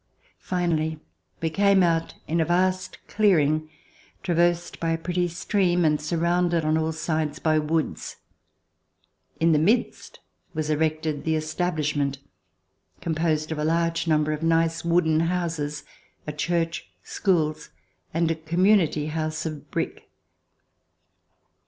Finally, we came out in a vast clearing traversed by a pretty stream and surrounded on all sides by woods. In the midst was erected the establishment, com posed of a large number of nice wooden houses, a church, schools, and a community house of brick.